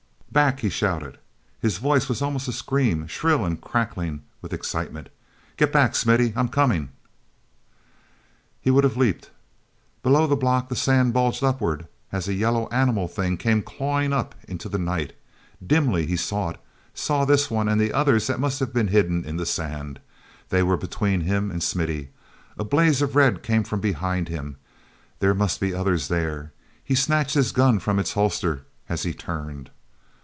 "Back!" he shouted. His voice was almost a scream, shrill and crackling with excitement. "Get back, Smithy! I'm coming!" e would have leaped. Below the block the sand bulged upward as a yellow animal thing came clawing up into the night. Dimly he saw it—saw this one and the others that must have been hidden in the sand. They were between him and Smithy! A blaze of red came from behind him—there must be others there! He snatched his gun from its holster as he turned.